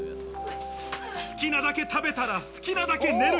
好きなだけ食べたら、好きなだけに寝る。